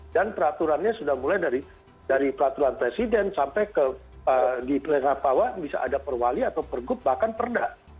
dan peraturannya sudah mulai dari peraturan presiden sampai di peraturan pahwa bisa ada perwali atau pergub bahkan perda